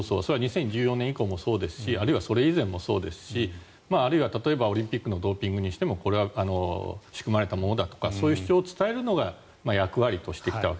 ２０１４年以降もそうですしあるいはそれ以前もそうですしあるいはオリンピックのドーピングにしてもこれは仕組まれたものだとかそういう主張を伝えるのが役割としてしてきたと。